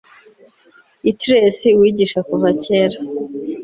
Utters uwigisha kuva kera